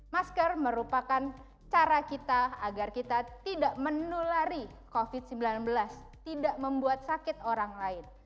masker merupakan cara kita agar kita tidak menulari covid sembilan belas tidak membuat sakit orang lain